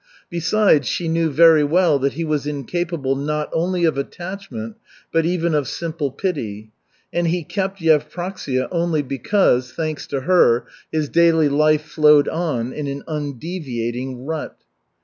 Besides, she knew very well that he was incapable not only of attachment but even of simple pity, and he kept Yevpraksia only because, thanks to her, his daily life flowed on in an undeviating rut.